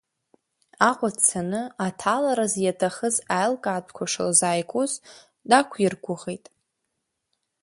Аҟәа дцаны, аҭалараз иаҭахыз аилкаатәқәа шылзааигоз дақәиргәыӷит.